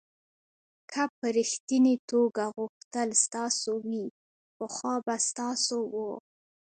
که په ریښتني توګه غوښتل ستاسو وي پخوا به ستاسو و.